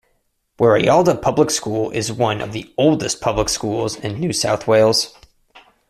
Warialda Public School is one of the oldest public schools in New South Wales.